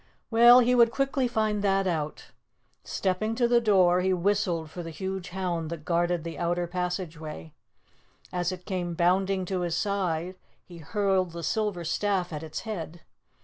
Well, he would quickly find that out. Stepping to the door, he whistled for the huge hound that guarded the outer passageway. As it came bounding to his side he hurled the silver staff at its head.